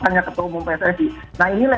hanya ketua umum pssi nah inilah